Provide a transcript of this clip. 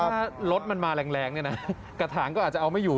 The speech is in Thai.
ถ้ารถมันมาแรงเนี่ยนะกระถางก็อาจจะเอาไม่อยู่